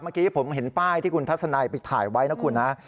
เมื่อกี้ผมเห็นป้ายที่คุณทัศนัยไปถ่ายไว้นะคุณนะ